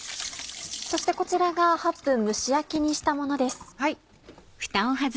そしてこちらが８分蒸し焼きにしたものです。